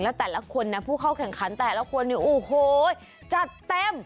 แล้วแต่ละคนนะผู้เข้าแข่งขันแต่ละคนเนี่ยโอ้โหจัดเต็ม